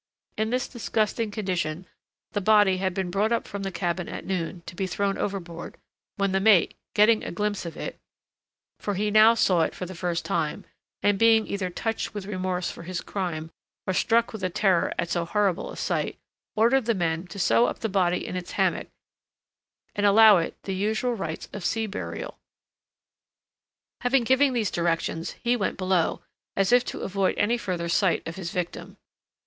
In this disgusting condition the body had been brought up from the cabin at noon to be thrown overboard, when the mate getting a glimpse of it (for he now saw it for the first time), and being either touched with remorse for his crime or struck with terror at so horrible a sight, ordered the men to sew the body up in its hammock, and allow it the usual rites of sea burial. Having given these directions, he went below, as if to avoid any further sight of his victim.